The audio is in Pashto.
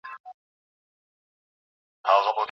افغانستان د نړیوالو پروسو کي اغېزمن نه دی.